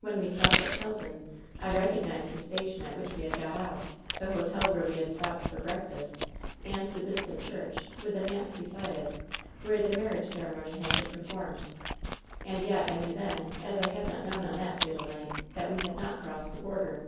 When we stopped at Kelton I recognized the station at which we had got out, the hotel where we had stopped for breakfast, and the distant church, with the manse .beside it, where the mar riage ceremony had been performed. And yet I knew then — as I had not knovm on that fatal night — ^that we had not crossed the border.'